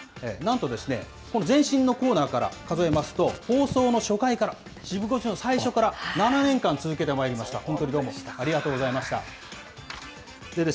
なんと、この前身のコーナーから数えますと、放送の初回から、シブ５時の最初から７年間続けてまいりました。